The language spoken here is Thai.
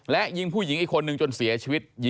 และยิงผู้หญิงอีกคนนึงจนเสียชีวิต